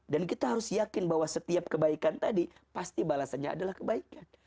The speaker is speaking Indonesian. dan kita harus yakin bahwa setiap kebaikan tadi pasti balasannya adalah kebaikan